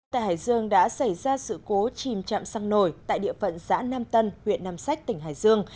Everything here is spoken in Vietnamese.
tại hải dương đã xảy ra sự cố chìm chạm xăng nổi tại địa phận xã nam tân huyện nam sách tỉnh hải dương